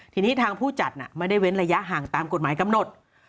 ทีนี้ทางผู้จัดไม่ได้เว้นระยะห่างตามกฎหมายกำหนด